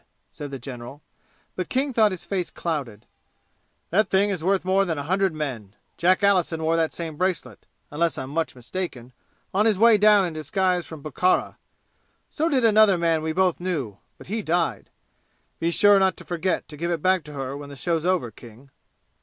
said the general, but King thought his face clouded. "That thing is worth more than a hundred men. Jack Allison wore that same bracelet, unless I'm much mistaken, on his way down in disguise from Bukhara. So did another man we both knew; but he died. Be sure not to forget to give it back to her when the show's over, King."